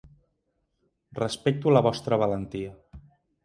Respecto la vostra valentia.